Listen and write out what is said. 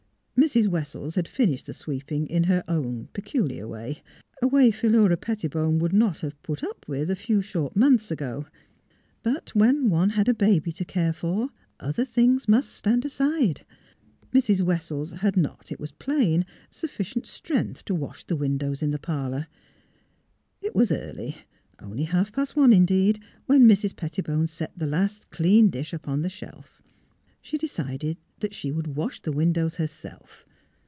Mrs. Wessels had finished the sweeping, in her own peculiar way — a way Philura Pettibone would MISS PHILUEA'S BABY 343 not have '' put up with " a few short months ago. But when one had a baby to care for, other things must stand aside. Mrs. Wessels had not, it was plain, sufficient strength to wash the windows in the parlour. It was early — only half past one, indeed — when Mrs. Pettibone set the last clean dish upon the shelf. She decided that she would wash the windows herself.